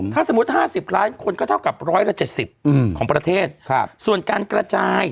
ถ้าสมมุติ๕๐ล้านคนก็เท่ากับ๑๗๐ของประเทศส่วนการกระจาย